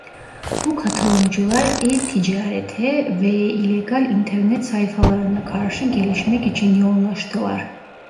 Bu katılımcılar e-ticaret'e ve illegal internet sayfalarına karşı gelişmek için yoğunlaştılar.